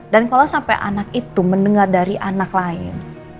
dan kalau sampai anak itu mendengar dari anak lain